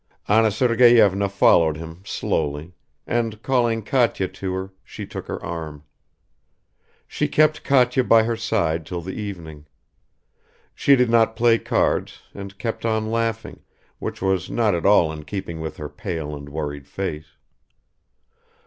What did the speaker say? Anna Sergeyevna followed him slowly, and calling Katya to her, she took her arm. She kept Katya by her side till the evening. She did not play cards and kept on laughing, which was not at all in keeping with her pale and worried face.